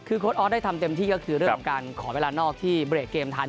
คือโค้ดออสได้ทำเต็มที่ก็คือเรื่องของการขอเวลานอกที่เบรกเกมทัน